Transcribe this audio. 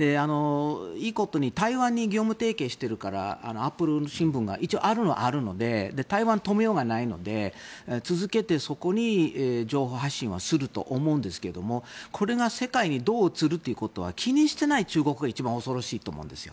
いいことに台湾と業務提携しているからアップル新聞があるにはあるので台湾は止めようがないので続けて、そこに情報発信をすると思うんですがこれが世界にどう映るかは気にしていない中国が一番恐ろしいと思うんです。